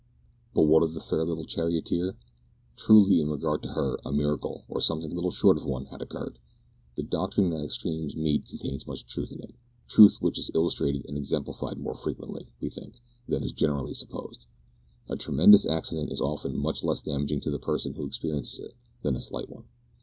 But what of the fair little charioteer? Truly, in regard to her, a miracle, or something little short of one, had occurred. The doctrine that extremes meet contains much truth in it truth which is illustrated and exemplified more frequently, we think, than is generally supposed. A tremendous accident is often much less damaging to the person who experiences it than a slight one.